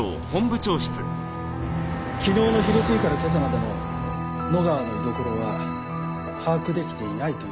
昨日の昼過ぎから今朝までの野川の居所は把握出来ていないという事か？